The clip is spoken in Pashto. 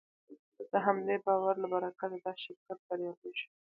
د همدې باور له برکته دا شرکت بریالی شو.